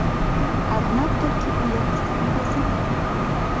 Аднак толькі ў якасці кампазітара.